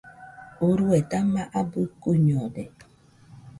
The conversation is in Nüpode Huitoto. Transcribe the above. Urue dama abɨ kuiñode